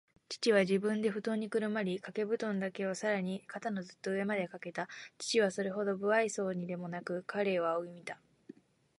父は自分でふとんにくるまり、かけぶとんだけをさらに肩のずっと上までかけた。父はそれほど無愛想そうにでもなく、彼を仰ぎ見た。